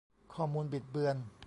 ข้อมูลบิดเบือน